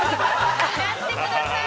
◆やってください。